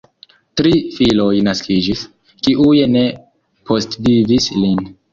Tri filoj naskiĝis, kiuj ne postvivis lin.